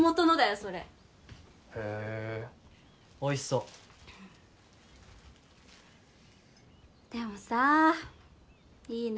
それへえおいしそうでもさあいいね